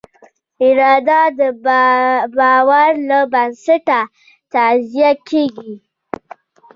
اراده د باور له بنسټه تغذیه کېږي.